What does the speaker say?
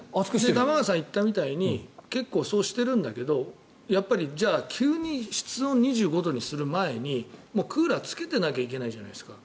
玉川さんが言ったみたいに結構そうしているんだけどやっぱり急に室温２５度にする前にクーラーをつけてなきゃいけないじゃないですか。